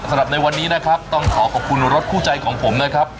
สำหรับในวันนี้นะครับต้องขอขอบคุณรถคู่ใจของผมนะครับ